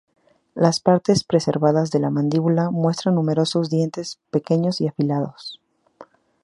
Las partes preservadas de la mandíbula muestran numerosos dientes pequeños y afilados.